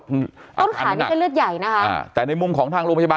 ต้นขานี่เส้นเลือดใหญ่นะคะอ่าแต่ในมุมของทางโรงพยาบาล